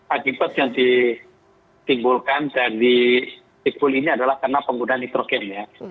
akibat yang ditimbulkan dari s cikbul ini adalah karena pengguna nitrogen ya